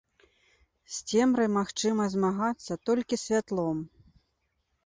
З цемрай магчыма змагацца толькі святлом.